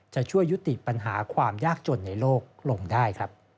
จะช่วยยุติปัญหาความยากจนในโลกลงได้